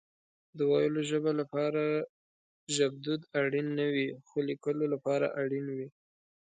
د ويلو ژبه لپاره ژبدود اړين نه وي خو ليکلو لپاره اړين وي